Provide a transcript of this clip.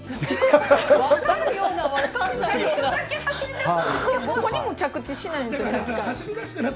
分かるような分からないような。